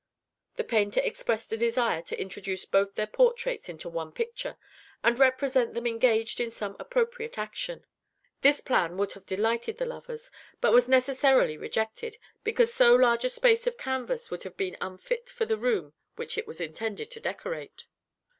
The painter expressed a desire to introduce both their portraits into one picture, and represent them engaged in some appropriate action. This plan would have delighted the lovers, but was necessarily rejected, because so large a space of canvas would have been unfit for the room which it was intended to decorate.